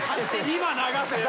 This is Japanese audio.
今流せよ。